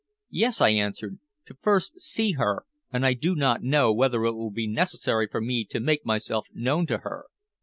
"Yes," I answered, "to first see her, and I do not know whether it will be necessary for me to make myself known to her.